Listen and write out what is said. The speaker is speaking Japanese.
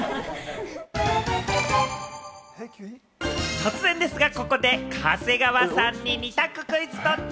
突然ですが、ここで長谷川さんに二択クイズ、ドッチ？